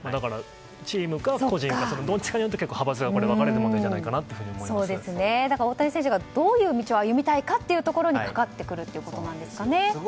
だから、チームか個人かどっちかによって大谷選手がどういう道を歩みたいかというところにかかってくるということですかね。